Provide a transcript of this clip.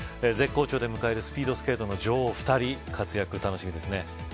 絶好調で迎えるスピードスケートの女王お二人活躍が楽しみですね。